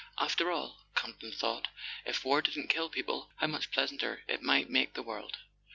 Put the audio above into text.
"After all," Campton thought, "if war didn't kill people how much pleasanter it might make the world